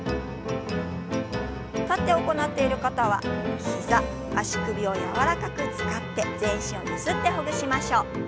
立って行っている方は膝足首を柔らかく使って全身をゆすってほぐしましょう。